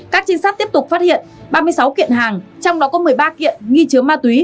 các trinh sát tiếp tục phát hiện ba mươi sáu kiện hàng trong đó có một mươi ba kiện nghi chứa ma túy